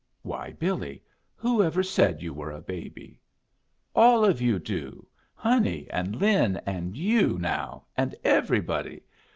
"Why, Billy, who ever said you were a baby?" "All of you do. Honey, and Lin, and you, now, and everybody.